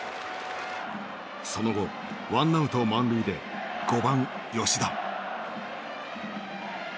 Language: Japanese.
その後ワンアウト満塁で５番吉田。